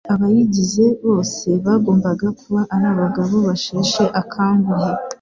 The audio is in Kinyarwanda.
Abayigize bose bagombaga kuba ari abagabo basheshe akanguhe